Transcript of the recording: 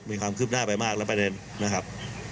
มีความคืบหน้าไปมากนะครับ